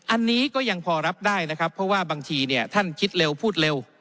อันนี้ก็ยังพอรับได้นะครับเพราะว่าบางทีเนี่ยท่านคิดเร็วพูดเร็ว